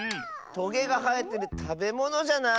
トゲがはえてるたべものじゃない？